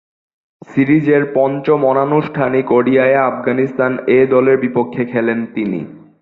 সিরিজের পঞ্চম অনানুষ্ঠানিক ওডিআইয়ে আফগানিস্তান এ-দলের বিপক্ষে খেলেন তিনি।